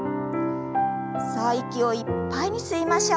さあ息をいっぱいに吸いましょう。